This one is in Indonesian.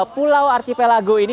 pulau arcipelago ini